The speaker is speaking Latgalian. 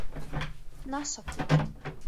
Nasokit!